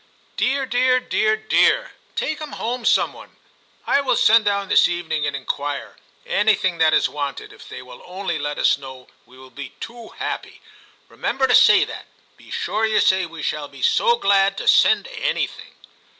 * Dear, dear — dear, dear ! take him home, some one ; I will send down this evening and inquire. Anything that is wanted, if they will only let us know, we will be too happy ; remember to say that ; be sure you say we shall be so glad to send anything.'